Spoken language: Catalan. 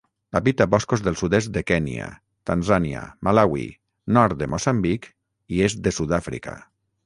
Habita boscos del sud-est de Kenya, Tanzània, Malawi, nord de Moçambic i est de Sud-àfrica.